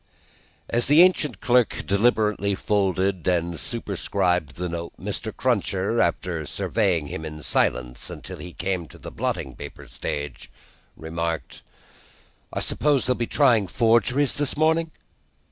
As the ancient clerk deliberately folded and superscribed the note, Mr. Cruncher, after surveying him in silence until he came to the blotting paper stage, remarked: "I suppose they'll be trying Forgeries this morning?"